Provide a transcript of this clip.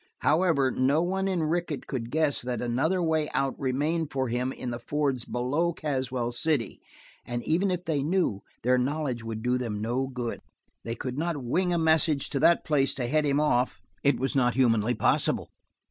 However, no one in Rickett could guess that another way out remained for him in the fords below Caswell City, and even if they knew, their knowledge would do them no good. They could not wing a message to that place to head him off; it was not humanly possible.